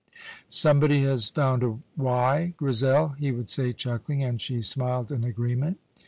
"Somebody has found a wy, Grizel!" he would say, chuckling, and she smiled an agreement.